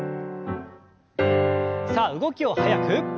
さあ動きを速く。